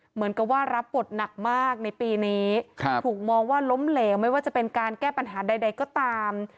เหมือนกับว่ารับบทหนักมากในปีนี้ถูกมองว่าล้มเหลวไม่ว่าจะเป็นการแก้ปัญหาใดก็ตาม